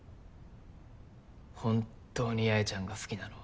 本当に八重ちゃんが好きなのは。